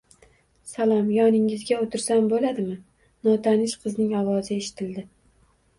-Salom, yoningizga o’tirsam bo’ladimi? – Notanish qizning ovozi eshitildi.